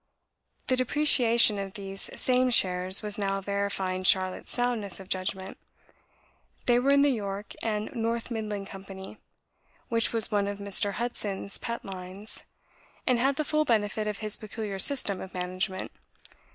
The depreciation of these same shares was now verifying Charlotte's soundness of judgment. They were in the York and North Midland Company, which was one of Mr. Hudson's pet lines, and had the full benefit of his peculiar system of management.